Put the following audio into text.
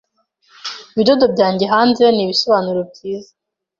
Ibidodo byanjye hamwe nibisobanuro byiza